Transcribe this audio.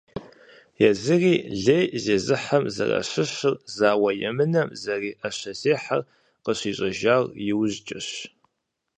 Езыри лей зезыхьэхэм зэращыщыр, зауэ емынэм зэриӀэщэзехьэр къыщищӀэжар иужькӏэщ.